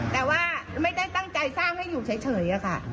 แต่ว่าไม่ได้ตั้งใจสร้างให้อยู่เฉยอะค่ะ